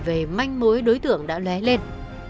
về manh mối đối tượng đã lé lên